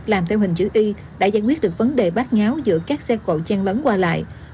làm theo hình chữ y đã giải quyết được vấn đề bát nháo giữa các xe cậu chen bấn qua lại